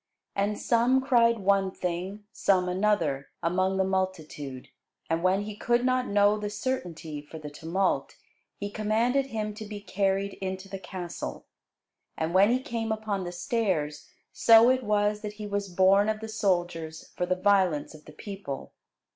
And some cried one thing, some another, among the multitude: and when he could not know the certainty for the tumult, he commanded him to be carried into the castle. And when he came upon the stairs, so it was, that he was borne of the soldiers for the violence of the people.